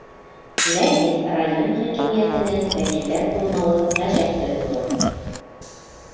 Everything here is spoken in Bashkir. Ләкин район хакимиәтенән вәкилдәр булмауы ғәжәп тойолдо.